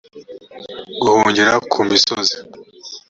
guhungira ku misozi